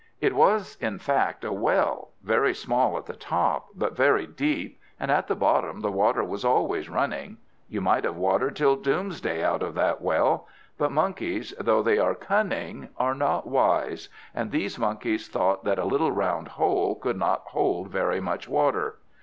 It was in fact a well, very small at the top, but very deep, and at the bottom the water was always running. You might have watered till doomsday out of that well; but monkeys, though they are cunning, are not wise, and these monkeys thought that a little round hole could not hold very much water.